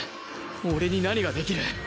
俺に何ができる？